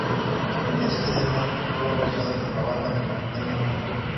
Este "Demo" fue bautizado por la banda como el ""Demo Oculto"".